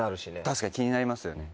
確かに気になりますよね。